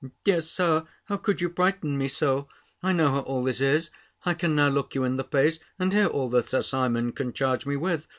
Dear Sir, how could you frighten me so? I know how all this is! I can now look you in the face, and hear all that Sir Simon can charge me with!